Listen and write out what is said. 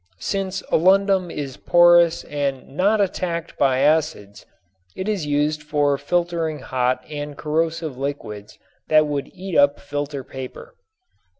Since alundum is porous and not attacked by acids it is used for filtering hot and corrosive liquids that would eat up filter paper.